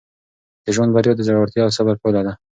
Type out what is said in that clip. د ژوند بریا د زړورتیا او صبر پایله ده.